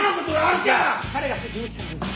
いや彼が責任者なんです。